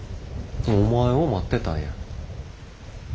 お前を待ってたんや。